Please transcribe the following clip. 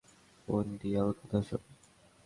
উনডিয়াল, কথা শোন।